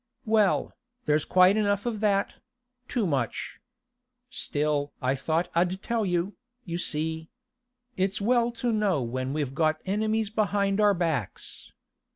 'Well, there's quite enough of that; too much. Still I thought I'd tell you, you see. It's well to know when we've got enemies behind our backs.